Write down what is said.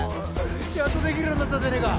やっとできるようになったじゃねぇか。